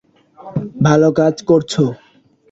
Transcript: ভালো কাজ করছো।